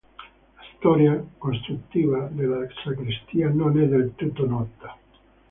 La storia costruttiva della sacrestia non è del tutto nota.